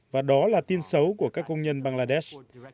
và đó là tin xấu của các công nhân bangladesh